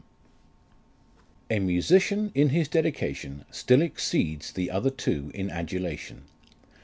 W." A musician in his dedication still exceeds the other two in adulation.